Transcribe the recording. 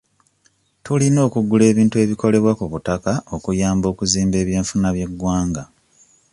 Tulina okugula ebintu ebikolebwa ku butaka okuyamba okuzimba eby'enfuna by'eggwanga.